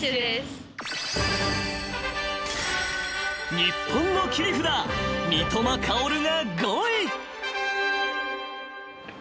［日本の切り札三笘薫が５位］